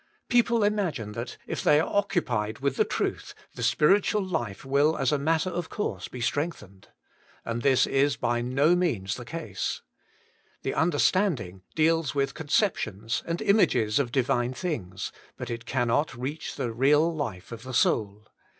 People imagine that if they are occupied with the truth, the spiritual life will as a matter of course be strengthened. And this is by no means the case. The understand WAITING ON GODt Jl ing deals with conceptions and images of divine things, but it cannot reach the real life of the soul.